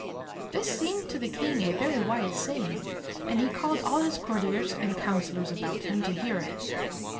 This seemed to the king a very wise saying, and he called all his courtiers and counselors about him to hear it.